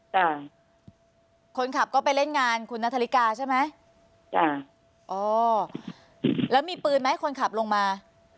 คนขับก็ไปเล่นงานคุณนาธริกาใช่ไหมจ้ะอ๋อแล้วมีปืนไหมคนขับลงมา